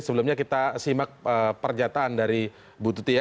sebelumnya kita simak pernyataan dari bu tuti ya